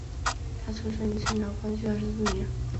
他出生于清朝光绪二十四年。